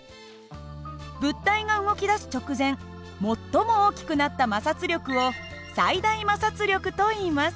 物体が動きだす直前最も大きくなった摩擦力を最大摩擦力といいます。